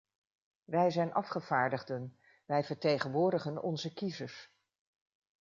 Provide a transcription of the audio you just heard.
Wij zijn afgevaardigden; wij vertegenwoordigen onze kiezers.